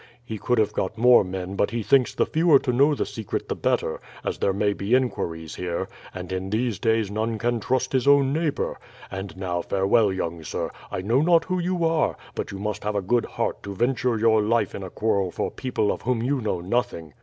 He could have got more men, but he thinks the fewer to know the secret the better, as there may be inquiries here; and in these days none can trust his own neighbour. And now farewell, young sir. I know not who you are, but you must have a good heart to venture your life in a quarrel for people of whom you know nothing."